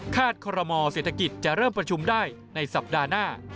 คอรมอเศรษฐกิจจะเริ่มประชุมได้ในสัปดาห์หน้า